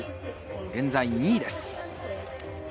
現在２位です。